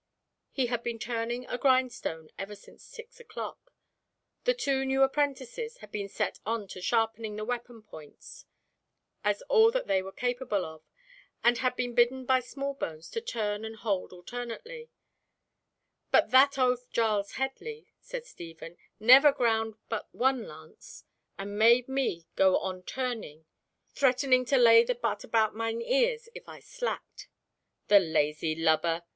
He had been turning a grindstone ever since six o'clock. The two new apprentices had been set on to sharpening the weapon points as all that they were capable of, and had been bidden by Smallbones to turn and hold alternately, but "that oaf Giles Headley," said Stephen, "never ground but one lance, and made me go on turning, threatening to lay the butt about mine ears if I slacked." "The lazy lubber!"